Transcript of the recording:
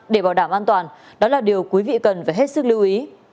để bảo đảm an toàn đó là điều quý vị cần phải hết sức lưu ý